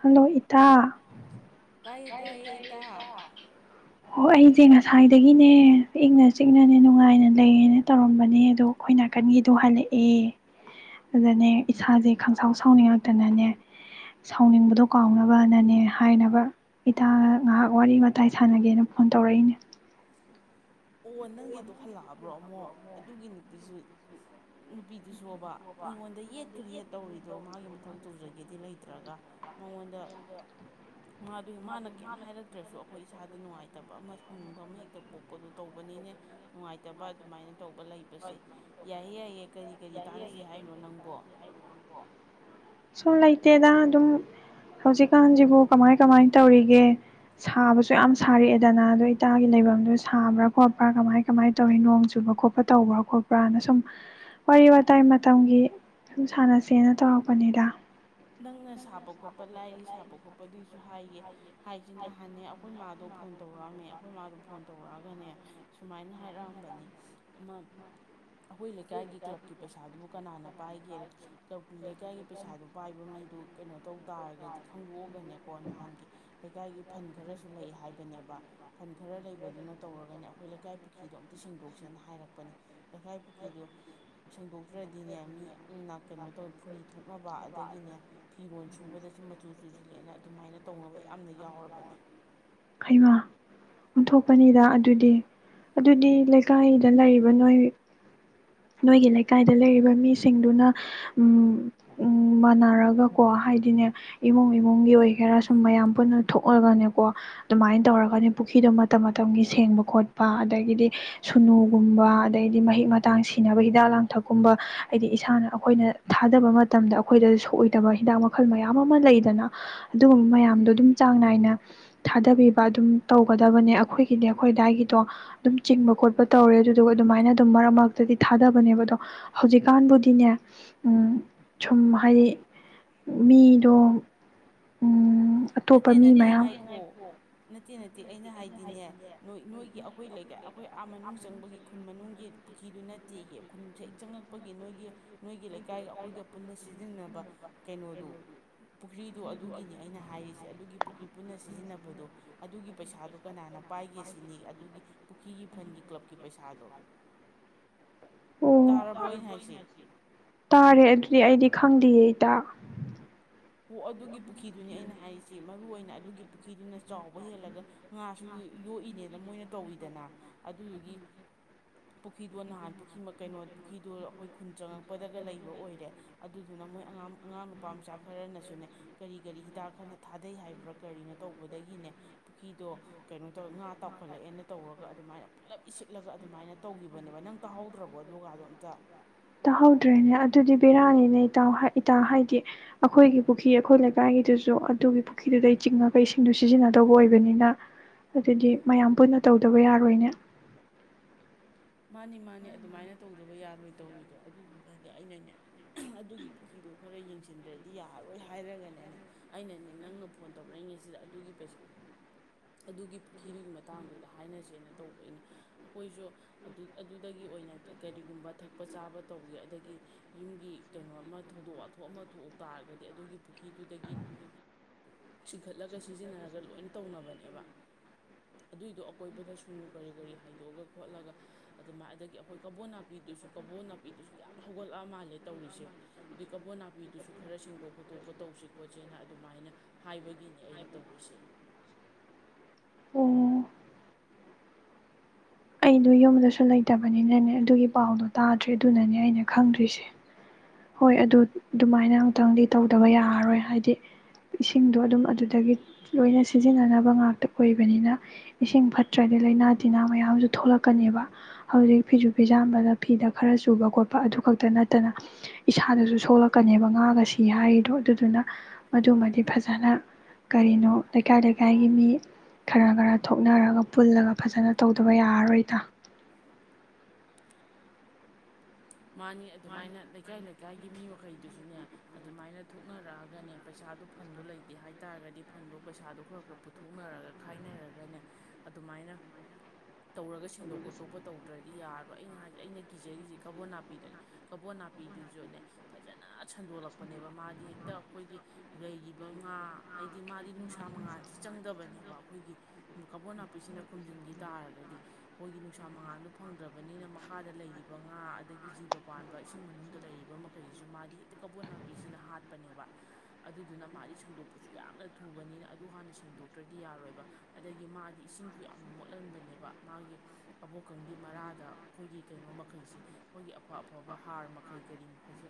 Hello ꯏꯇꯥ ꯑꯣ ꯑꯩꯁꯦ ꯉꯁꯥꯏꯗꯒꯤꯅꯦ ꯏꯪꯅ ꯆꯤꯛꯅꯅꯦ ꯅꯨꯡꯉꯥꯏꯅ ꯂꯩꯌꯦꯅ ꯇꯧꯔꯝꯕꯅꯦ ꯑꯗꯣ ꯑꯩꯈꯣꯏ ꯅꯥꯀꯟꯒꯤꯗꯣ ꯍꯜꯂꯛꯑꯦ ꯑꯗꯨꯗꯅꯦ ꯏꯁꯥꯁꯦ ꯈꯪꯁꯥꯎ ꯁꯥꯎꯅꯤꯡꯉꯛꯇꯅꯅꯦ ꯁꯥꯎꯅꯤꯡꯕꯗꯣ ꯀꯥꯎꯅꯕꯅꯅꯦ ꯍꯥꯏꯅꯕ ꯏꯇꯥꯒ ꯉꯥꯏꯍꯥꯛ ꯋꯥꯔꯤ ꯋꯥꯇꯥꯏ ꯁꯥꯟꯅꯒꯦꯅ ꯐꯣꯟ ꯇꯧꯔꯛꯏꯅꯦ ꯑꯣ ꯅꯪꯒꯤꯗꯣ ꯍꯜꯂꯛꯑꯕꯣ ꯭ꯔꯣ ꯑꯃꯣ ꯑꯗꯨꯒꯤ ꯅꯨꯄꯤ ꯅꯨꯄꯤꯗꯨ ꯃꯥꯁꯨꯕ ꯃꯤꯉꯣꯟꯗ ꯌꯦꯠꯈ꯭ꯔꯦ ꯍꯦ ꯇꯧꯔꯤꯗꯣ ꯃꯥꯒꯤ ꯃꯇꯧ ꯇꯧꯖꯒꯦꯗꯤ ꯂꯩꯇ꯭ꯔꯒ ꯃꯉꯣꯟꯗ ꯃꯥꯗꯣꯒꯤ ꯃꯥꯅ ꯀꯩꯝ ꯍꯥꯏꯔꯛꯇ꯭ꯔꯁꯨ ꯑꯩꯈꯣꯏ ꯏꯁꯥꯗ ꯅꯨꯡꯉꯥꯏꯇꯕ ꯑꯃ ꯁꯥꯎꯅꯤꯡꯕ ꯑꯃ ꯍꯦꯛꯇ ꯄꯣꯛꯄꯗꯣ ꯇꯧꯕꯅꯤꯅꯦ ꯅꯨꯡꯉꯥꯏꯇꯕ ꯑꯗꯨꯃꯥꯏꯅ ꯍꯣꯏ ꯌꯥꯏꯌꯦ ꯌꯥꯏꯌꯦ ꯀꯔꯤ ꯀꯔꯤ ꯇꯥꯟꯅꯁꯦ ꯍꯥꯏꯅꯣ ꯅꯪꯕꯨ ꯁꯨꯝ ꯂꯩꯇꯦꯗ ꯑꯗꯨꯝ ꯍꯧꯖꯤꯛꯀꯥꯟꯁꯤꯕꯨ ꯀꯃꯥꯏ ꯀꯃꯥꯏꯅ ꯇꯧꯔꯤꯒꯦ ꯁꯥꯕꯁꯨ ꯌꯥꯝ ꯁꯥꯔꯛꯑꯦꯗꯅ ꯑꯗꯨ ꯏꯇꯥꯒꯤ ꯂꯩꯐꯝꯗꯣ ꯁꯥꯕ꯭ꯔꯥ ꯈꯣꯠꯄ꯭ꯔꯥ ꯀꯃꯥꯏ ꯀꯃꯥꯏꯅ ꯇꯧꯔꯤ ꯅꯣꯡ ꯆꯨꯕ ꯈꯣꯠꯄ ꯇꯧꯕ꯭ꯔꯥ ꯈꯣꯠꯄ꯭ꯔꯥꯅ ꯁꯨꯝ ꯋꯥꯔꯤ ꯋꯥꯇꯥꯏ ꯃꯇꯝꯒꯤ ꯁꯨꯝ ꯁꯥꯟꯅꯁꯦꯅ ꯇꯧꯔꯛꯄꯅꯤꯗ ꯅꯪꯅ ꯁꯥꯕ ꯈꯣꯠꯄ ꯂꯥꯏꯔꯤ ꯁꯥꯕ ꯈꯣꯠꯄꯒꯤꯁꯨ ꯍꯥꯏꯒꯦ ꯍꯥꯏꯗꯤ ꯅꯍꯥꯟꯅꯦ ꯑꯩꯈꯣꯏ ꯃꯥꯗ ꯑꯗꯨ ꯐꯣꯟ ꯇꯧꯔꯛꯑꯝꯃꯦ ꯑꯩꯈꯣꯏ ꯃꯥꯗꯣ ꯐꯣꯟ ꯇꯧꯔꯛꯑꯒꯅꯦ ꯁꯨꯃꯥꯏꯅ ꯍꯥꯏꯔꯛꯑꯝꯕꯅꯤ ꯑꯃ ꯑꯩꯈꯣꯏ ꯂꯩꯀꯥꯏꯒꯤ ꯀ꯭ꯂꯕꯀꯤ ꯄꯩꯁꯥꯗꯨꯕꯨ ꯀꯅꯥꯅ ꯄꯥꯏꯒꯦꯅ ꯀꯂ꯭ꯕ ꯂꯩꯀꯥꯏꯒꯤ ꯄꯩꯁꯥꯗꯣ ꯃꯤꯗꯨ ꯀꯩꯅꯣ ꯇꯧ ꯇꯥꯔꯒꯗꯤ ꯈꯪꯗꯣꯛ ꯑꯒ ꯑꯗꯨꯒꯅꯦꯀꯣ ꯅꯍꯥꯟꯒꯤ ꯂꯩꯀꯥꯏꯒꯤ ꯐꯟ ꯈꯔꯁꯨ ꯂꯩ ꯍꯥꯏꯕꯅꯦꯕ ꯐꯟ ꯈꯔ ꯂꯩꯕꯗꯨꯅ ꯇꯧꯔꯒꯅꯦ ꯑꯩꯈꯣꯏ ꯂꯩꯀꯥꯏ ꯄꯨꯈ꯭ꯔꯤꯗꯣ ꯑꯃꯇ ꯁꯦꯡꯗꯣꯛꯁꯦꯅ ꯍꯥꯏꯔꯛꯄꯅꯦ ꯂꯩꯀꯥꯏ ꯄꯨꯈ꯭ꯔꯤꯗꯣ ꯁꯦꯡꯗꯣꯛꯇ꯭ꯔꯗꯤꯅꯦ ꯃꯤ ꯌꯥꯝꯅ ꯀꯩꯅꯣ ꯇꯧ ꯐꯨꯔꯤ ꯊꯣꯛꯅꯕ ꯑꯗꯒꯤꯅꯦ ꯐꯤꯔꯣꯜ ꯁꯨꯕꯗꯁꯨ ꯃꯆꯨ ꯆꯨꯁꯤꯜꯂꯦꯅ ꯑꯗꯨꯃꯥꯏꯅ ꯇꯧꯅꯕ ꯌꯥꯝꯅ ꯌꯥꯎꯔꯕꯅꯦ ꯍꯩꯃꯥ ꯑꯣꯟꯊꯣꯛꯄꯅꯤꯗ ꯑꯗꯨꯗꯤ ꯑꯗꯨꯗꯤ ꯂꯩꯀꯥꯏꯗ ꯂꯩꯔꯤꯕ ꯅꯣꯏ ꯅꯣꯏꯒꯤ ꯂꯩꯀꯥꯏꯗ ꯂꯩꯔꯤꯕ ꯃꯤꯁꯤꯡꯗꯨꯅ ꯎꯝ ꯎꯝ ꯃꯥꯟꯅꯔꯒꯀꯣ ꯍꯥꯏꯗꯤꯅꯦ ꯏꯃꯨꯡ ꯏꯃꯨꯡꯒꯤ ꯑꯣꯏꯒꯦꯔꯥ ꯁꯨꯝ ꯃꯌꯥꯝ ꯄꯨꯟꯅ ꯊꯣꯛꯑꯒꯅꯦꯀꯣ ꯑꯗꯨꯃꯥꯏꯅ ꯇꯧꯔꯒꯅꯦ ꯄꯨꯈ꯭ꯔꯤꯗꯣ ꯃꯇꯝ ꯃꯇꯝꯒꯤ ꯁꯦꯡꯕ ꯈꯣꯠꯄ ꯑꯗꯒꯤꯗꯤ ꯁꯨꯅꯨꯒꯨꯝꯕ ꯑꯗꯩꯗꯤ ꯃꯍꯤꯛ ꯃꯇꯥꯡ ꯁꯤꯅꯕ ꯍꯤꯗꯥꯛ ꯂꯥꯡꯊꯛꯀꯨꯝꯕ ꯍꯥꯏꯗꯤ ꯏꯁꯥꯅ ꯑꯩꯈꯣꯏꯅ ꯊꯥꯗꯕ ꯃꯇꯝꯗ ꯑꯩꯈꯣꯏꯗ ꯁꯣꯛꯑꯣꯏꯗꯕ ꯍꯤꯗꯥꯛ ꯃꯈꯜ ꯃꯌꯥꯝ ꯑꯃ ꯂꯩꯗꯅ ꯑꯗꯨꯒꯨꯝꯕ ꯃꯌꯥꯝꯗꯣ ꯑꯗꯨꯝ ꯆꯥꯡ ꯅꯥꯏꯅ ꯊꯥꯗꯕꯤꯕ ꯑꯗꯨꯝ ꯇꯧꯒꯗꯕꯅꯦ ꯑꯩꯈꯣꯏꯒꯤꯗꯤ ꯑꯩꯈꯣꯏ ꯑꯗꯥꯏꯒꯤꯗꯣ ꯑꯗꯨꯝ ꯆꯤꯡꯕ ꯈꯣꯠꯄ ꯇꯧꯔꯦ ꯑꯗꯨꯗꯨꯒ ꯑꯗꯨꯃꯥꯏꯅ ꯑꯗꯨꯝ ꯃꯔꯛ ꯃꯔꯛꯇꯗꯤ ꯊꯥꯗꯕꯅꯦꯕ ꯑꯗꯣ ꯍꯧꯖꯤꯛꯀꯥꯟꯕꯨꯗꯤꯅꯦ ꯁꯨꯝ ꯍꯥꯏꯗꯤ ꯃꯤꯗꯣ ꯎꯝ ꯑꯇꯣꯞꯄ ꯃꯤ ꯃꯌꯥꯝ ꯅꯠꯇꯦ ꯅꯠꯇꯦ ꯑꯩꯅ ꯍꯥꯏꯗꯤꯅꯦ ꯅꯣꯏ ꯅꯣꯏꯒꯤ ꯑꯩꯈꯣꯏ ꯂꯩꯀꯥꯏ ꯑꯩꯈꯣꯏ ꯑꯥ ꯃꯅꯨꯡ ꯆꯪꯕꯒꯤ ꯈꯨꯟ ꯃꯅꯨꯡꯒꯤ ꯄꯨꯈ꯭ꯔꯤꯗꯨ ꯅꯠꯇ‌ꯦꯌꯦ ꯈꯨꯟꯁꯦ ꯍꯦꯛ ꯆꯪꯉꯛꯄꯒꯤ ꯅꯣꯏꯒꯤ ꯅꯣꯏꯒꯤ ꯂꯩ ꯂꯩꯀꯥꯏ ꯑꯩꯈꯣꯏꯒ ꯄꯨꯟꯅ ꯁꯤ ꯁꯤꯖꯤꯟꯅꯕꯥ ꯀꯩꯅꯣꯗꯨ ꯄꯨꯈ꯭ꯔꯤꯗꯨ ꯑꯗꯨꯒꯤꯅꯤ ꯑꯩꯅ ꯍꯥꯏꯔꯤꯁꯦ ꯑꯗꯨꯒꯤ ꯄꯨꯈ꯭ꯔꯤ ꯄꯨꯟꯅ ꯁꯤꯖꯤꯟꯅꯕꯗꯣ ꯑꯗꯨꯒꯤ ꯄꯩꯁꯥꯗꯣ ꯀꯅꯥꯅ ꯄꯥꯏꯒꯦ ꯁꯤꯅꯤ ꯑꯗꯨꯒꯤ ꯄꯨꯈ꯭ꯔꯤꯒꯤ ꯐꯟꯒꯤ ꯀ꯭ꯂꯕꯀꯤ ꯄꯩꯁꯥꯗꯣ ꯑꯣ ꯇꯥꯔꯦ ꯑꯗꯨꯗꯤ ꯑꯩꯗꯤ ꯈꯪꯗꯦ ꯏꯇꯥ ꯑꯣ ꯑꯗꯨꯒꯤ ꯄꯨ ꯄꯨꯈ꯭ꯔꯤꯗꯨꯅꯤ ꯑꯩꯅ ꯍꯥꯏꯔꯤꯁꯦ ꯃꯔꯨꯑꯣꯏ ꯑꯗꯨꯒꯤ ꯄꯨꯈ꯭ꯔꯤꯗꯨꯅ ꯆꯥꯎꯕ ꯍꯦꯜꯂꯒ ꯉꯥꯁꯨ ꯌꯣꯛꯏꯅꯦꯅ ꯃꯣꯏꯅ ꯇꯧꯋꯤꯗꯅ ꯑꯗꯨꯗꯨꯒꯤ ꯄꯨꯈ꯭ꯔꯤꯗꯣ ꯅꯍꯥꯟ ꯄꯨꯈ꯭ꯔꯤ ꯀꯩꯅꯣ ꯄꯨꯈ꯭ꯔꯤꯗꯣ ꯑꯩꯈꯣꯏ ꯈꯨꯟ ꯆꯪꯉꯛꯄꯗꯒ ꯂꯩꯕ ꯑꯣꯏꯔꯦ ꯑꯗꯨꯗꯨꯅ ꯃꯣꯏ ꯑꯉꯥꯡ ꯑꯉꯥꯡ ꯅꯨꯄꯥ ꯃꯆꯥ ꯈꯔꯅꯁꯨꯅꯦ ꯀꯔꯤ ꯀꯔꯤ ꯍꯤꯗꯥꯛ ꯈꯔ ꯊꯥꯗꯩ ꯍꯥꯏꯕ꯭ꯔꯥ ꯀꯔꯤꯅꯣ ꯇꯧꯕꯗꯒꯤꯅꯦ ꯄꯨ꯭ꯔꯤꯗꯣ ꯀꯩꯅꯣ ꯇꯧꯔ‌ꯦ ꯉꯥ ꯇꯥꯎꯈꯠꯂꯛꯑꯦꯅ ꯇꯧꯔꯒ ꯑꯗꯨꯃꯥꯏꯅ ꯄꯨꯂꯞ ꯏꯁꯤꯠꯂꯒ ꯑꯗꯨꯃꯥꯏꯅ ꯇꯧꯈꯤꯕꯅꯦꯕ ꯅꯪ ꯇꯥꯍꯧꯗ꯭ꯔꯕꯣ ꯑꯗꯨꯒꯗꯣ ꯑꯝꯇ ꯇꯥꯍꯧꯗ꯭ꯔꯦꯅꯦ ꯑꯗꯨꯗꯤ ꯕꯦꯔꯥꯅꯤꯅꯦ ꯏꯇꯥꯎ ꯏꯇꯥ ꯍꯥꯏꯗꯤ ꯑꯩꯈꯣꯏꯒꯤ ꯄꯨꯈ꯭ꯔꯤ ꯑꯩꯈꯣꯏ ꯂꯩꯀꯥꯏꯒꯤꯗꯨꯁꯨ ꯑꯗꯨꯒꯤ ꯄꯨꯈ꯭ꯔꯤꯗꯨꯗꯩ ꯆꯤꯡꯉꯒ ꯏꯁꯤꯡꯗꯨ ꯁꯤꯖꯤꯟꯅꯗꯧꯕ ꯑꯣꯏꯕꯅꯤꯅ ꯑꯗꯨꯗꯤ ꯃꯌꯥꯝ ꯄꯨꯟꯅ ꯇꯧꯗꯕ ꯌꯥꯔꯣꯏꯅꯦ ꯃꯥꯅꯤ ꯃꯥꯅꯤ ꯑꯗꯨꯃꯥꯏꯅ ꯇꯧꯗꯕ ꯌꯥꯔꯣꯏ ꯇꯧꯔꯤꯗꯣ ꯑꯗꯨꯗꯨꯅꯅꯦ ꯑꯩꯅꯅꯦ ꯑꯗꯨꯒꯤ ꯄꯨꯈ꯭ꯔꯤꯗꯣ ꯈꯔ ꯌꯦꯡꯁꯤꯟꯗ꯭ꯔꯗꯤ ꯌꯥꯔꯔꯣꯏ ꯍꯥꯏꯔꯒꯅꯦꯅꯦ ꯑꯩꯅꯅꯦ ꯅꯪꯅ ꯐꯣꯟ ꯇꯧꯔꯛꯏꯉꯩꯁꯤꯗ ꯑꯗꯨꯒꯤ ꯄꯩꯁꯥ ꯑꯗꯨꯒꯤ ꯄꯨꯈ꯭ꯔꯤꯗꯨꯒꯤ ꯃꯇꯥꯡꯗꯨꯗ ꯍꯥꯏꯅꯁꯦꯅ ꯇꯧꯕꯩꯅꯦ ꯑꯩꯈꯣꯏꯁꯨ ꯑꯗꯨ ꯑꯗꯨꯗꯒꯤ ꯑꯣꯏꯅ ꯀꯔꯤꯒꯨꯝꯕ ꯊꯛꯄ ꯆꯥꯕ ꯇꯧꯒꯦ ꯑꯗꯒꯤ ꯌꯨꯝꯒꯤ ꯀꯩꯅꯣ ꯑꯃ ꯊꯧꯗꯣꯛ ꯋꯥꯊꯣꯛ ꯑꯃ ꯊꯣꯛ ꯇꯥꯔꯒꯗꯤ ꯑꯗꯨꯒꯤ ꯄꯨꯈ꯭ꯔꯤꯗꯨꯗꯒꯤ ꯆꯤꯡꯈꯠꯂꯒ ꯁꯤꯖꯤꯟꯅꯔꯒ ꯂꯣꯏꯅ ꯇꯧꯅꯕꯅꯦꯕ ꯑꯗꯨꯏꯗꯣ ꯑꯀꯣꯏꯕꯗ ꯁꯨꯅꯨ ꯀꯔꯤ ꯀꯔꯤ ꯍꯥꯏꯗꯣꯛꯑꯒ ꯈꯣꯠꯂꯒ ꯑꯗꯨꯃꯥꯏ ꯑꯗꯒꯤ ꯑꯩꯈꯣꯏ ꯀꯕꯣ ꯅꯥꯄꯤꯗꯨꯁꯨ ꯀꯕꯣ ꯅꯥꯄꯤꯗꯨꯁꯨ ꯌꯥꯝ ꯍꯧꯒꯠꯂꯛꯑ ꯃꯥꯜꯂꯦ ꯇꯧꯔꯤꯁꯦ ꯑꯗꯩ ꯀꯕꯣ ꯅꯥꯄꯤꯗꯨꯁꯨ ꯈꯔ ꯁꯦꯡꯗꯣꯛ ꯈꯣꯠꯇꯣꯛꯄ ꯇꯧꯁꯤ ꯈꯣꯠꯁꯦꯅ ꯑꯗꯨꯃꯥꯏꯅ ꯍꯥꯏꯕꯒꯤꯅꯤ ꯑꯩꯅ ꯇꯧꯔꯤꯁꯦ ꯑꯩꯗꯣ ꯌꯨꯝꯗꯁꯨ ꯂꯩꯇꯕꯅꯤꯅꯅꯦ ꯑꯗꯨꯒꯤ ꯄꯥꯎꯗꯣ ꯇꯥꯗ꯭ꯔꯦ ꯑꯗꯨꯅꯅꯦ ꯑꯩꯅ ꯈꯪꯗ꯭ꯔꯤꯁꯦ ꯍꯣꯏ ꯑꯗꯨ ꯑꯗꯨꯃꯥꯏꯅ ꯑꯃꯇꯪꯗꯤ ꯇꯧꯗꯕ ꯌꯥꯔꯔꯣꯏ ꯍꯥꯏꯗꯤ ꯏꯁꯤꯡꯗꯣ ꯑꯗꯨꯝ ꯑꯗꯨꯗꯒꯤ ꯂꯣꯏꯅ ꯁꯤꯖꯤꯟꯅꯅꯕ ꯉꯥꯛꯇ ꯑꯣꯏꯕꯅꯤꯅ ꯏꯁꯤꯡ ꯐꯠꯇ꯭ꯔꯗꯤ ꯂꯩꯅꯥ ꯇꯤꯟꯅꯥ ꯃꯌꯥꯝꯁꯨ ꯊꯣꯛꯂꯛꯀꯅꯦꯕ ꯍꯧꯖꯤꯛ ꯐꯤꯁꯨ ꯐꯤꯖꯥꯝꯕꯗ ꯐꯤꯗ ꯈꯔ ꯆꯨꯕ ꯈꯣꯠꯄ ꯑꯗꯨ ꯈꯛꯇ ꯅꯠꯇꯅ ꯏꯁꯥꯗꯁꯨ ꯁꯣꯛꯂꯛꯀꯅꯦꯕ ꯉꯥꯒꯁꯤ ꯍꯥꯏꯔꯤꯗꯣ ꯑꯗꯨꯗꯨꯅ ꯃꯗꯨꯃꯗꯤ ꯐꯖꯅ ꯀꯔꯤꯅꯣ ꯂꯩꯀꯥꯏ ꯂꯩꯀꯥꯏꯒꯤ ꯃꯤ ꯈꯔ ꯈꯔ ꯊꯣꯛꯅꯔꯒ ꯄꯨꯜꯂꯒ ꯐꯖꯅ ꯇꯧꯗꯕ ꯌꯥꯔꯔꯣꯏ ꯏꯇꯥ ꯃꯥꯅꯤ ꯑꯗꯨꯃꯥꯏꯅ ꯂꯩꯀꯥꯏ ꯂꯩ ꯀꯥꯏꯒꯤ ꯃꯤ ꯃꯈꯩꯗꯨꯁꯨꯅꯦ ꯑꯗꯨꯃꯥꯏꯅ ꯊꯣꯛꯅꯔꯛꯑꯒꯅꯦ ꯄꯩꯁꯥꯗꯣ ꯐꯟꯗꯣ ꯂꯩꯇꯦ ꯍꯥꯏꯇꯥꯔꯒꯗꯤ ꯐꯟꯗꯣ ꯄꯩꯁꯥꯗꯣ ꯈꯔꯥ ꯈꯔꯥ ꯄꯨꯊꯣꯛꯅꯔꯒ ꯈꯥꯏꯅꯔꯒꯅꯦ ꯑꯗꯨꯃꯥꯏꯅ ꯇꯧꯔꯒ ꯁꯤ ꯁꯦꯡꯗꯣꯛ ꯈꯣꯠꯇꯣꯛꯄ ꯇꯧꯗ꯭ꯔ ꯗꯤ ꯌꯥꯔꯣꯏ ꯑꯩꯅ ꯍꯥꯏꯖꯦ ꯑꯩꯅ ꯀꯤꯖꯔꯤꯁꯦ ꯀꯕꯣ ꯅꯥꯞ ꯅꯥꯄꯤꯗꯨꯅꯤ ꯀꯕꯣ ꯅꯥꯄꯤꯗꯨꯁꯨꯅꯦ ꯐꯖꯅ ꯁꯟꯗꯣꯛꯂꯛꯄꯅꯦꯕ ꯃꯥꯗꯤ ꯍꯦꯛꯇ ꯑꯩꯈꯣꯏꯒꯤ ꯔꯩꯔꯤꯕ ꯉꯥ ꯍꯥꯏꯗꯤ ꯃꯥꯗꯤ ꯅꯨꯡꯁꯥ ꯃꯉꯥꯜꯁꯤ ꯆꯪꯗꯕꯅꯦꯕ ꯑꯩꯈꯣꯏꯒꯤ ꯀꯕꯣ ꯅꯥꯄꯤꯁꯤꯅ ꯈꯨꯝꯖꯤꯟꯈꯤ ꯇꯥꯔꯒꯗꯤ ꯑꯩꯈꯣꯏꯒꯤ ꯅꯨꯡꯁꯥ ꯃꯉꯥꯟꯜꯗꯣ ꯐꯪꯗ꯭ꯔꯕꯅꯤꯅ ꯃꯈꯥꯗ ꯂꯩꯔꯤꯕ ꯉꯥ ꯑꯗꯒꯤ ꯖꯤꯕ ꯄꯥꯟꯕ ꯏꯁꯤꯡ ꯃꯅꯨꯡꯗ ꯂꯩꯔꯤꯕ ꯃꯈꯩꯁꯤꯁꯨ ꯃꯥꯗꯤ ꯍꯦꯛꯇ ꯀꯕꯣ ꯅꯥꯄꯤꯁꯤꯅ ꯍꯥꯠꯄꯅꯦꯕ ꯑꯗꯨꯗꯨꯅ ꯃꯥꯗꯤ ꯁꯟꯗꯣꯛꯄꯁꯨ ꯌꯥꯝꯅ ꯊꯨꯕꯅꯤꯅ ꯑꯗꯨ ꯍꯥꯟꯅ ꯁꯦꯡꯗꯣꯛꯇ꯭ꯔꯗꯤ ꯌꯥꯔꯣꯏꯕ ꯑꯗꯒꯤ ꯃꯥꯗꯤ ꯏꯁꯤꯡꯁꯨ ꯌꯥꯝꯅ ꯃꯣꯠꯍꯟꯕꯅꯦꯕ ꯃꯥꯒꯤ ꯀꯕꯣꯛꯀꯪꯒꯤ ꯃꯔꯥꯗ ꯑꯩꯈꯣꯏꯒꯤ ꯀꯩꯅꯣ ꯃꯈꯩꯁꯤ ꯑꯩꯈꯣꯏꯒꯤ ꯑꯐ ꯑꯐꯕ ꯍꯥꯔ ꯃꯈꯩ ꯀꯔꯤ ꯃꯈꯩꯁꯦ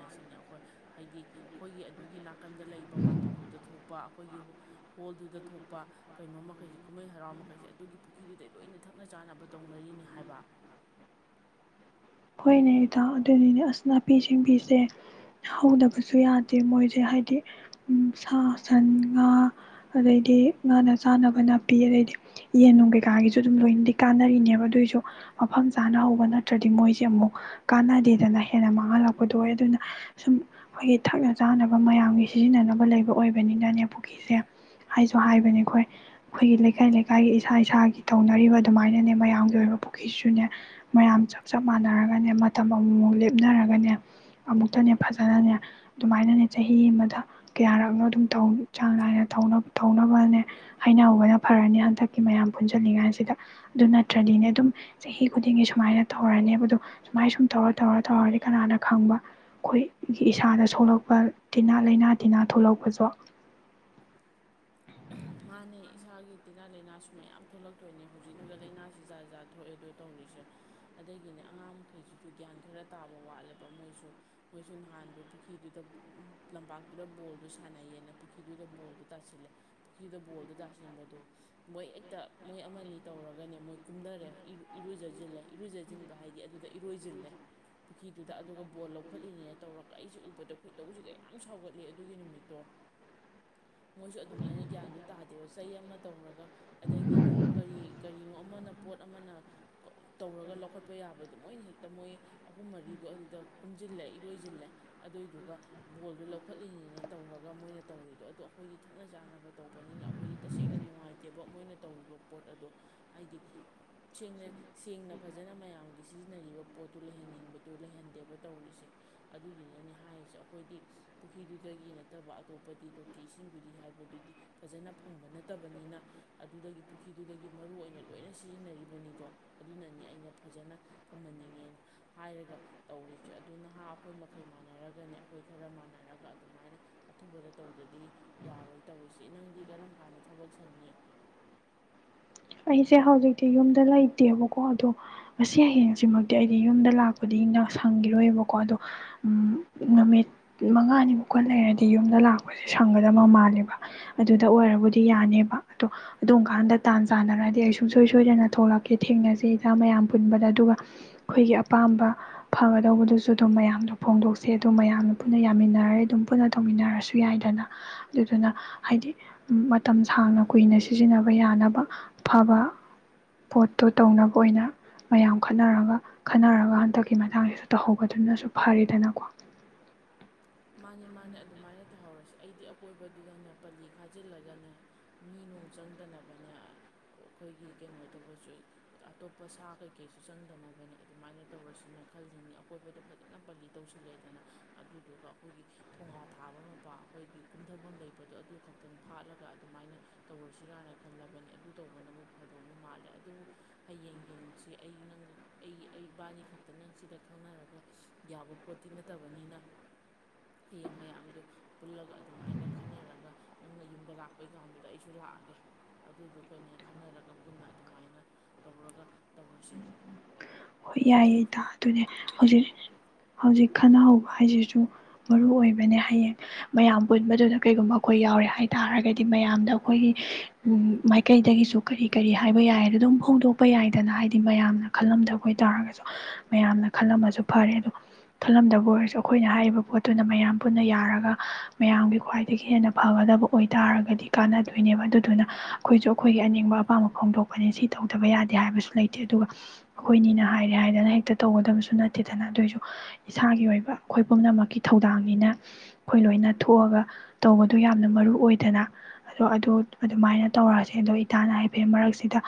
ꯍꯥꯏꯁꯤꯅꯦ ꯑꯩꯈꯣꯏ ꯍꯥꯏꯗꯤ ꯑꯩꯈꯣꯏꯒꯤ ꯑꯗꯨꯒꯤ ꯅꯥꯀꯟꯗ ꯂꯩꯕ ꯃꯥꯟꯇꯣꯞꯇꯨꯗ ꯊꯣꯛꯄ ꯑꯩꯈꯣꯏꯒꯤ ꯍꯣ ꯍꯣꯜꯗꯨꯗ ꯊꯣꯛꯄ ꯀꯩꯅꯣ ꯃꯈꯩꯁꯦ ꯀꯨꯝꯍꯩ ꯍꯔꯥꯎ ꯃꯈꯩꯁꯦ ꯑꯗꯨꯒꯤ ꯄꯨꯈ꯭ꯔꯤꯗꯨꯗꯩ ꯂꯣꯏꯅ ꯊꯛꯅ ꯆꯥꯅꯕ ꯇꯧꯅꯔꯤꯅꯤ ꯍꯥꯏꯕ ꯍꯣꯏꯅꯦ ꯏꯇꯥ ꯑꯗꯨꯅꯤꯅꯦ ꯑꯁ ꯅꯥꯄꯤ ꯁꯤꯡꯕꯤꯁꯦ ꯍꯧꯗꯕꯁꯨ ꯌꯥꯗꯦ ꯃꯣꯏꯁꯦ ꯍꯥꯏꯗꯤ ꯁꯥ ꯁꯟ ꯉꯥ ꯑꯗꯩꯗꯤ ꯉꯥꯅ ꯆꯥꯅꯕ ꯅꯥꯄꯤ ꯑꯗꯩꯗꯤ ꯌꯦꯟꯅꯨꯡ ꯀꯩꯀꯥꯒꯤꯁꯨ ꯑꯗꯨꯝ ꯂꯣꯏꯅꯗꯤ ꯀꯥꯅꯔꯤꯅꯦꯕ ꯑꯗꯨꯑꯣꯏꯁꯨ ꯃꯐꯝ ꯆꯥꯅ ꯍꯧꯕ ꯅꯠꯇ꯭ꯔꯗꯤ ꯃꯣꯏꯁꯦ ꯁꯤ ꯑꯃꯨꯛ ꯀꯥꯟꯅꯗꯦꯗꯅ ꯍꯦꯟꯅ ꯃꯥꯡꯍꯜꯂꯛꯄꯗꯣ ꯑꯣꯏ ꯑꯗꯨꯅ ꯁꯨꯝ ꯑꯩꯈꯣꯏꯒꯤ ꯊꯛꯅ ꯆꯥꯅꯕ ꯃꯌꯥꯝꯒꯤ ꯁꯤꯖꯤꯟꯅꯅꯕ ꯂꯩꯕ ꯑꯣꯏꯕꯅꯤꯅꯅꯦ ꯄꯨꯈ꯭ꯔꯤꯁꯦ ꯍꯥꯏꯁꯨ ꯍꯥꯏꯕꯅꯦ ꯑꯩꯈꯣꯏ ꯑꯩꯈꯣꯏꯒꯤ ꯂꯩꯀꯥꯏ ꯂꯩꯀꯥꯏꯒꯤ ꯏꯁꯥ ꯏꯁꯥꯒꯤ ꯇꯧꯅꯔꯤꯕ ꯑꯗꯨꯃꯥꯏꯅꯅꯦ ꯃꯌꯥꯝꯒꯤ ꯑꯣꯏꯕ ꯄꯨꯈ꯭ꯔꯤꯁꯨꯅꯦ ꯃꯌꯥꯝ ꯆꯞ ꯆꯞ ꯃꯥꯟꯅꯔꯒꯅꯦ ꯃꯇꯝ ꯑꯃꯃꯨꯛ ꯂꯦꯞꯅꯔꯒꯅꯦ ꯑꯃꯨꯛꯇꯅꯦ ꯐꯖꯅꯅꯦ ꯑꯗꯨꯃꯥꯏꯅꯅꯦ ꯆꯍꯤ ꯑꯃꯗ ꯀꯌꯥꯔꯛꯅꯣ ꯑꯗꯨꯝ ꯇꯧ ꯆꯥꯡ ꯅꯥꯏꯅ ꯇꯧꯅꯕꯅꯦ ꯍꯥꯏꯅꯍꯧꯕꯅ ꯐꯔꯅꯤ ꯍꯟꯗꯛꯀꯤ ꯃꯌꯥꯝ ꯄꯨꯟꯁꯤꯜꯂꯤꯉꯩꯁꯤꯗ ꯑꯗꯨ ꯅꯠꯇ꯭ꯔꯗꯤꯅꯦ ꯑꯗꯨꯝ ꯆꯍꯤ ꯈꯨꯗꯤꯡꯒꯤ ꯁꯨꯃꯥꯏꯅ ꯇꯧ ꯑꯣꯏꯔꯅꯦꯕꯗꯣ ꯁꯨꯃꯥꯏ ꯁꯨꯝ ꯇꯧꯔ ꯇꯧꯔ ꯇꯧꯔꯗꯤ ꯀꯅꯥꯅ ꯈꯪꯕ ꯈꯣꯏ ꯒꯤ ꯏꯁꯥꯗ ꯁꯣꯛꯂꯛꯄ ꯇꯤꯟꯅꯥ ꯂꯥꯏꯅꯥ ꯇꯤꯟꯅꯥ ꯊꯣꯛꯂꯛꯄꯁꯨ ꯃꯥꯅꯦ ꯏꯁꯥꯒꯤ ꯇꯤꯟꯅꯥ ꯂꯥꯏꯅꯥꯁꯨ ꯃꯌꯥꯝ ꯊꯣꯛꯂꯛ ꯇꯣꯏꯅꯦ ꯍꯧꯖꯤꯛꯅꯒ ꯂꯩꯥꯏꯅꯥꯁꯤ ꯖꯥꯠ ꯖꯥꯠ ꯊꯣꯛꯑꯦꯗꯣ ꯇꯧꯔꯤꯁꯦ ꯑꯗꯒꯤꯅꯦ ꯑꯉꯥꯡ ꯃꯈꯈꯩꯁꯤꯁꯨ ꯒ꯭ꯌꯥꯟ ꯈꯔꯥ ꯇꯥꯕ ꯋꯥꯠꯂꯦꯕ ꯃꯣꯏꯁꯨ ꯃꯣꯏꯁꯨ ꯅꯍꯥꯟꯗ ꯄꯨꯈ꯭ꯔꯤꯗꯨꯗ ꯂꯝꯄꯥꯛꯇꯨꯗ ꯕꯣꯜꯗꯨ ꯁꯥꯟꯅꯩꯌꯦꯅ ꯄꯨꯈ꯭ꯔꯤꯗꯨꯗ ꯕꯣꯜꯗꯣ ꯇꯥꯁꯤꯜꯂꯦ ꯄꯨꯈ꯭ꯔꯤꯗꯨꯗ ꯕꯣꯜꯗꯣ ꯇꯥꯁꯤꯟꯕꯗꯨ ꯃꯣꯏ ꯍꯦꯛꯇ ꯃꯣꯏ ꯑꯃꯅꯤ ꯇꯧꯔꯒꯅꯦ ꯃꯣꯏ ꯀꯨꯝꯗꯔꯦ ꯏꯔꯨꯖ ꯖꯤꯜꯂꯦ ꯏꯔꯨꯖ ꯖꯤꯟꯕ ꯍꯥꯏꯗꯤ ꯑꯗꯨꯗ ꯏꯔꯣꯏꯖꯤꯜꯂꯦ ꯄꯨꯈ꯭ꯔꯤꯗꯨꯗ ꯑꯗꯨꯒ ꯕꯣꯜ ꯂꯧꯈꯠꯂꯤꯅꯦꯅ ꯇꯧꯔꯒ ꯑꯩꯁꯦ ꯎꯕꯗ ꯈꯣꯏꯗꯧꯁꯤ ꯀꯌꯥꯝ ꯁꯥꯎꯒꯠꯂꯤ ꯑꯗꯨꯒꯤ ꯅꯨꯃꯤꯠꯇꯣ ꯃꯣꯏꯁꯨ ꯑꯗꯨꯃꯥꯏꯅ ꯒ꯭ꯌꯥꯟꯗꯨ ꯇꯥꯗꯦꯕ ꯆꯩ ꯑꯃ ꯇꯧꯔꯒ ꯑꯗꯒꯤ ꯀꯔꯤ ꯀꯔꯤꯅꯣ ꯑꯃꯅ ꯄꯣꯠ ꯑꯃꯅ ꯇꯧꯔꯒ ꯂꯧꯈꯠꯄ ꯌꯥꯕꯗꯣ ꯃꯣꯏꯅ ꯍꯦꯛꯇ ꯃꯣꯏ ꯑꯍꯨꯝ ꯃꯔꯤꯗꯣ ꯑꯗꯨꯗ ꯀꯨꯝꯖꯤꯜꯂꯦ ꯏꯔꯣꯏꯖꯤꯜꯂꯦ ꯑꯗꯨꯏꯗꯨꯒ ꯕꯣꯜꯗꯣ ꯂꯧꯈꯠꯂꯤꯅꯤꯅ ꯇꯧꯔꯒ ꯃꯣꯏꯅ ꯇꯧꯔꯤꯗꯣ ꯑꯗꯣ ꯑꯩꯈꯣꯏꯒꯤ ꯊꯛꯅ ꯆꯥꯅꯕ ꯇꯧꯕꯅꯤꯅ ꯑꯩꯈꯣꯏꯗꯤ ꯇꯁꯦꯡꯅ ꯅꯨꯡꯉꯥꯏꯇꯦꯕ ꯃꯣꯏꯅ ꯇꯧꯔꯤꯕ ꯄꯣꯠ ꯑꯗꯣ ꯍꯥꯏꯗꯤ ꯁꯦꯡꯅ ꯁꯦꯡꯅ ꯐꯖꯅ ꯃꯌꯥꯝꯒꯤ ꯁꯤꯖꯤꯟꯅꯔꯤꯕ ꯄꯣꯠꯇꯨ ꯂꯩꯍꯟꯅꯤꯡꯕꯗꯨ ꯂꯩꯍꯟꯗꯦꯕ ꯇꯧꯔꯤꯁꯦ ꯑꯗꯨꯗꯨꯅꯅꯦ ꯍꯥꯏꯔꯤꯁꯦ ꯑꯩꯈꯣꯏꯗꯤ ꯄꯨꯈ꯭ꯔꯤꯗꯨꯗꯒꯤ ꯅꯠꯇꯕ ꯑꯇꯣꯞꯄꯗꯤ ꯇꯣꯇꯤ ꯏꯁꯤꯡꯗꯨꯗꯤ ꯍꯥꯏꯕꯗꯨꯗꯤ ꯐꯖꯅ ꯐꯪꯕ ꯅꯠꯇꯕꯅꯤꯅ ꯑꯗꯨꯗꯒꯤ ꯄꯨꯈ꯭ꯔꯤꯗꯨꯗꯒꯤ ꯃꯔꯨ ꯑꯣꯏꯅ ꯂꯣꯏꯅ ꯁꯤꯖꯤꯟꯅꯔꯤꯕꯅꯤꯗꯣ ꯑꯗꯨꯅꯅꯤ ꯑꯩꯅ ꯐꯖꯅ ꯐꯝꯍꯟꯅꯤꯡꯉꯦꯅ ꯍꯥꯏꯔꯒ ꯇꯧꯔꯤꯁꯦ ꯑꯗꯨ ꯅꯍꯥ ꯑꯩꯈꯣꯏ ꯃꯈꯩ ꯃꯥꯟꯅꯔꯒꯅꯦ ꯑꯩꯈꯣꯏ ꯈꯔꯥ ꯃꯥꯟꯅꯔꯒ ꯑꯗꯨꯃꯥꯏꯅ ꯑꯊꯨꯕꯗ ꯇꯧꯗ꯭ꯔꯗꯤ ꯌꯥꯔꯣꯏ ꯇꯧꯔꯤꯁꯦ꯫ ꯅꯪꯗꯤ ꯀꯔꯝ ꯀꯥꯟꯗ ꯊꯕꯛ ꯁꯪꯅꯤ ꯑꯩꯁꯦ ꯍꯧꯖꯤꯛꯇꯤ ꯌꯨꯝꯗ ꯂꯩꯇꯦꯕꯀꯣ ꯑꯗꯣ ꯉꯁꯤ ꯍꯌꯦꯡꯁꯤꯃꯛꯇꯤ ꯑꯩꯗꯤ ꯌꯨꯝꯗ ꯂꯥꯛꯄꯗꯤ ꯅ ꯁꯪꯈꯤꯔꯣꯏꯕꯀꯣ ꯑꯗꯣ ꯎꯝ ꯅꯨꯃꯤꯠ ꯃꯉꯥꯅꯤ ꯃꯨꯛꯀ ꯂꯩꯔꯗꯤ ꯌꯨꯝꯗ ꯂꯥꯛꯄꯁꯦ ꯁꯪꯒꯗꯕ ꯃꯥꯜꯂꯦꯕ ꯑꯗꯨꯗ ꯑꯣꯏꯔꯕꯨꯗꯤ ꯌꯥꯅꯦꯕ ꯑꯗꯣ ꯑꯗꯨꯝꯀꯥꯟꯗ ꯇꯥꯟꯖ ꯆꯥꯟꯅꯔꯗꯤ ꯑꯩ ꯁꯨꯡꯁꯣꯏ ꯁꯣꯏꯗꯅ ꯊꯣꯛꯂꯛꯀꯦ ꯊꯦꯡꯅꯖꯦ ꯏꯇꯥ ꯃꯌꯥꯝ ꯄꯨꯟꯕꯗ ꯑꯗꯨꯒ ꯑꯩꯈꯣꯏꯒꯤ ꯑꯄꯥꯝꯕ ꯐꯒꯗꯧꯕꯗꯨꯁꯨ ꯑꯗꯨꯝ ꯃꯌꯥꯝꯗ ꯐꯣꯡꯗꯣꯛꯁꯦ ꯑꯗꯨ ꯃꯌꯥꯝꯅ ꯄꯨꯟꯅ ꯌꯥꯃꯤꯟꯅꯔꯦ ꯑꯗꯨꯝ ꯄꯨꯟꯅ ꯇꯧꯃꯤꯟꯅꯔꯁꯨ ꯌꯥꯏꯗꯅ ꯑꯗꯨꯗꯨꯅ ꯍꯥꯏꯗꯤ ꯃꯇꯝ ꯁꯥꯡꯅ ꯀꯨꯏꯅ ꯁꯤꯖꯤꯟꯅꯕ ꯌꯥꯅꯕ ꯐꯕ ꯄꯣꯠꯇꯣ ꯇꯧꯅꯕ ꯑꯣꯏꯅ ꯃꯌꯥꯝ ꯈꯠꯅꯔꯒ ꯈꯟꯅꯔꯒ ꯍꯟꯗꯛꯀꯤ ꯃꯇꯥꯡꯁꯤꯁꯨ ꯇꯧꯍꯧꯕꯗꯨꯅꯁꯨ ꯐꯔꯦꯗꯅꯀꯣ꯫ ꯃꯥꯅꯤ ꯃꯥꯅꯤ ꯑꯗꯨꯃꯥꯏꯅ ꯇꯧꯍꯧꯔꯁꯤ ꯑꯩꯗꯤ ꯑꯀꯣꯏꯕꯗꯨꯗꯅꯦ ꯄꯜꯂꯤ ꯈꯥꯖꯤꯜꯂꯒꯅꯦ ꯃꯤꯅꯣꯡ ꯆꯪꯗꯅꯕꯅꯦ ꯑꯩꯈꯣꯏꯒꯤ ꯀꯩꯅꯣ ꯇꯧꯕꯁꯨ ꯑꯇꯣꯞꯄ ꯁ ꯑꯩꯈꯣꯏꯒꯤ ꯊꯣꯡꯒꯥ ꯊꯥꯕ ꯃꯄꯥ ꯑꯩꯈꯣꯏꯒꯤ ꯀꯨꯝꯊꯐꯝ ꯂꯩꯕꯗꯣ ꯑꯗꯨ ꯈꯛꯇꯪ ꯐꯥꯠꯂꯒ ꯑꯗꯨꯃꯥꯏꯅ ꯇꯧꯔꯁꯤꯔꯥꯅ ꯈꯜꯂꯕꯅꯤ ꯑꯗꯨ ꯇꯧꯕꯅꯕꯨ ꯐꯗꯧꯕ ꯃꯥꯜꯂꯦ ꯑꯗꯨꯕꯨ ꯍꯌꯦꯡ ꯌꯦꯡꯉꯁꯤ ꯑꯩ ꯅꯪꯒ ꯑꯩ ꯑꯩ ꯏꯕꯥꯅꯤ ꯈꯛꯇ ꯅꯪ ꯁꯤꯗ ꯈꯪꯅꯔꯒ ꯌꯥꯕ ꯄꯣꯠꯇꯤ ꯅꯠꯇꯕꯅꯤꯅ ꯍꯌꯦꯡ ꯃꯌꯥꯝꯗꯨ ꯄꯨꯜꯂꯒ ꯑꯗꯨꯃꯥꯏꯅ ꯈꯟꯅꯔꯒ ꯅꯪꯅ ꯌꯨꯝꯗ ꯂꯥꯛꯄꯩꯒꯥꯟꯗꯨꯗ ꯑꯩꯁꯨ ꯂꯥꯛꯑꯒꯦ ꯑꯗꯨꯗꯨꯒꯅꯦ ꯈꯟꯅꯔꯒ ꯄꯨꯟꯅ ꯑꯗꯨꯃꯥꯏꯅ ꯇꯧꯔꯒ ꯇꯧꯔꯁꯦ ꯍꯧꯖꯤꯛ ꯈꯠꯅꯍꯧꯕ ꯍꯥꯏꯁꯤꯁꯨ ꯃꯔꯨꯏꯕꯅꯦ ꯍꯌꯦꯡ ꯃꯌꯥꯝ ꯄꯨꯟꯕꯗꯨꯗ ꯀꯩꯒꯨꯝꯕ ꯑꯩꯈꯣꯏ ꯌꯥꯎꯔꯦ ꯍꯥꯏ ꯇꯥꯔꯒꯗꯤ ꯃꯌꯥꯝꯗ ꯑꯩꯈꯣꯏꯒꯤ ꯃꯥꯏꯀꯩꯗꯒꯤꯁꯨ ꯀꯔꯤ ꯀꯔꯤ ꯍꯥꯏꯕ ꯌꯥꯏꯗꯨ ꯑꯗꯨꯝ ꯐꯣꯡꯗꯣꯛꯄ ꯌꯥꯏꯗꯅ ꯍꯥꯏꯗꯤ ꯃꯌꯥꯝꯅ ꯈꯜꯂꯝꯗꯕ ꯍꯣꯏ ꯇꯔꯒꯁꯨ ꯃꯌꯥꯝꯅ ꯈꯜꯂꯝꯃꯁꯨ ꯐꯔꯦ ꯑꯗꯣ ꯈꯜꯂꯝꯗꯕ ꯑꯣꯏꯔꯁꯨ ꯑꯩꯈꯣꯏꯅ ꯍꯥꯏꯔꯤꯕ ꯄꯣꯠꯇꯨꯅ ꯃꯌꯥꯝ ꯄꯨꯟꯅ ꯌꯥꯔꯒ ꯃꯌꯥꯝꯒꯤ ꯈꯨꯋꯥꯏꯗꯒꯤ ꯍꯦꯟꯅ ꯐꯒꯗꯕ ꯑꯣꯏꯇꯥꯔꯒꯗꯤ ꯀꯥꯟꯅꯗꯣꯏꯅꯦꯕ ꯑꯗꯨꯗꯨꯅ ꯑꯩꯈꯣꯏꯁꯨ ꯑꯩꯈꯣꯏꯒꯤ ꯑꯅꯤꯡꯕ ꯑꯄꯥꯝꯕ ꯐꯣꯡꯗꯣꯛꯄꯅꯤ ꯁꯤ ꯇꯧꯗꯕ ꯌꯥꯗꯦ ꯍꯥꯏꯕꯁꯨ ꯂꯩꯇꯦ ꯑꯗꯨꯒ ꯑꯈꯣꯏꯅꯤꯅ ꯍꯥꯏꯔꯦ ꯍꯥꯏꯗꯅ ꯍꯦꯛꯇ ꯇꯧꯒꯗꯕꯁꯨ ꯅꯠꯇꯦꯗꯅ ꯑꯗꯨꯑꯣꯏꯁꯨ ꯏꯁꯥꯒꯤ ꯑꯣꯏꯕ ꯑꯈꯣꯏ ꯄꯨꯝꯅꯃꯛꯀꯤ ꯊꯧꯗꯥꯡꯅꯤꯅ ꯑꯈꯣꯏ ꯂꯣꯏꯅ ꯊꯣꯛꯑꯒ ꯇꯧꯕꯗꯣ ꯌꯥꯝꯅ ꯃꯔꯨ ꯑꯣꯏꯗꯅ ꯑꯗꯣ ꯑꯗꯣ ꯑꯗꯨꯃꯥꯏꯅ ꯇꯧꯔꯁꯦ ꯑꯗꯣ ꯏꯇꯥꯅ ꯍꯥꯏꯐꯦꯠ ꯃꯔꯛꯁꯤꯗ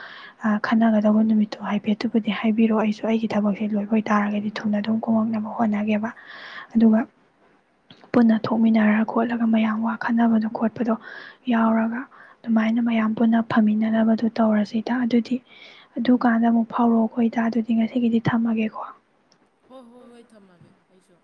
ꯈꯟꯅꯒꯗꯧꯕ ꯅꯨꯃꯤꯠꯇꯣ ꯍꯥꯏꯐꯦꯠꯇꯣ ꯄꯗꯤ ꯍꯥꯏꯕꯤꯔꯣ ꯑꯩꯁꯨ ꯑꯩꯒꯤ ꯊꯕꯛꯁꯦ ꯂꯣꯏꯕ ꯑꯣꯏꯇꯥꯥꯔꯒꯗꯤ ꯊꯨꯅ ꯑꯗꯨꯝ ꯀꯨꯝꯃꯛꯅꯕ ꯍꯣꯠꯅꯒꯦꯕ ꯑꯗꯨꯒ ꯄꯨꯟꯅ ꯊꯣꯛꯃꯤꯟꯅꯔ ꯈꯣꯠꯂꯒ ꯃꯌꯥꯝ ꯋꯥꯈꯟꯅꯕꯗꯣ ꯈꯣꯠꯄꯗꯣ ꯌꯥꯎꯔꯒ ꯑꯗꯨꯃꯥꯏꯅ ꯃꯌꯥꯝ ꯄꯨꯟꯅ ꯐꯝꯃꯤꯟꯅꯅꯕꯗꯣ ꯇꯧꯔꯁꯤ ꯏꯇꯥ ꯑꯗꯨꯗꯤ ꯑꯗꯨꯀꯥꯟꯗ ꯑꯃꯨꯛ ꯐꯥꯎꯔꯛꯑꯣꯀꯣ ꯏꯇꯥ ꯑꯗꯨꯗꯤ ꯉꯁꯤꯒꯤꯗꯤ ꯊꯝꯃꯒꯦꯀꯣ ꯍꯣꯏ ꯍꯣꯏ ꯍꯣꯏ ꯊꯝꯃꯒꯦ ꯑꯩꯁꯨ